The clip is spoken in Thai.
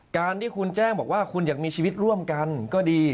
การที่คุณแจ้งบอกว่าคุณอยากมีชีวิตร่วมกันก็ดี